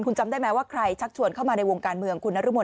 คุณจำได้ไหมว่าใครชักชวนเข้ามาในวงการเมืองคุณนรมน